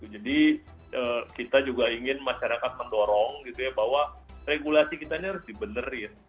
jadi kita juga ingin masyarakat mendorong bahwa regulasi kita harus dibenerin